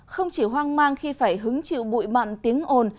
không chỉ hoang mang khi phải hứng chịu bụi mặn tiếng ồn